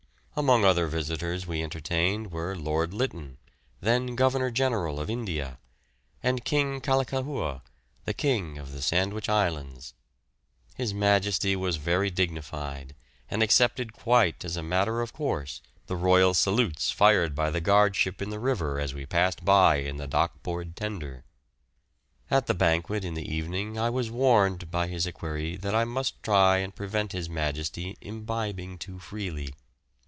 Among other visitors we entertained were Lord Lytton, then Governor General of India; and King Kallikahua, the King of the Sandwich Islands. His Majesty was very dignified, and accepted quite as a matter of course the royal salutes fired by the guard ship in the river as we passed by in the Dock Board tender. At the banquet in the evening I was warned by his equerry that I must try and prevent His Majesty imbibing too freely.